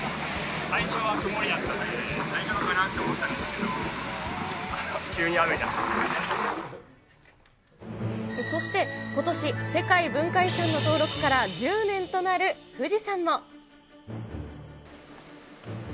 最初は曇りだったんで、大丈夫かなと思ったんですけど、そして、ことし世界文化遺産の登録から１０年となる富士山も。